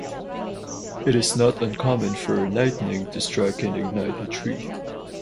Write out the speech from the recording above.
It is not uncommon for lightning to strike and ignite a tree.